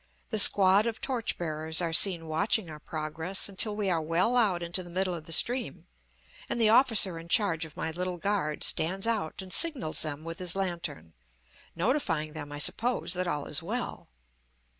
The squad of torch bearers are seen watching our progress until we are well out into the middle of the stream, and the officer in charge of my little guard stands out and signals them with his lantern, notifying them, I suppose, that all is well.